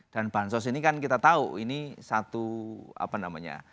dan bansos ini kan kita tahu ini satu apa namanya